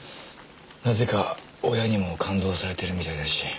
なぜか親にも勘当されてるみたいだし。